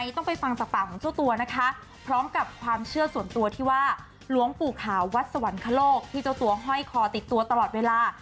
ที่จะตัวห้อยคอติดตัวตลอดเวลา